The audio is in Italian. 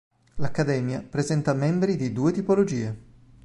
L'Accademia presenta membri di due tipologie.